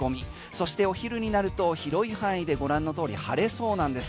そしてお昼になると広い範囲でご覧の通り晴れそうなんです。